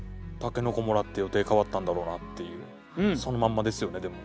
筍貰って予定変わったんだろうなっていうそのまんまですよねでも。